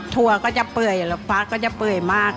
ถั่วก็จะเปลือยบราฟาก็จะเปลือยมาก